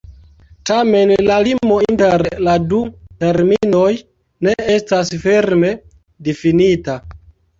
Tamen la limo inter la du terminoj ne estas firme difinita.